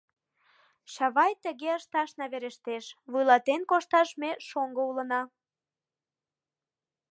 Чавай, тыге ышташна верештеш: вуйлатен кошташ ме шоҥго улына.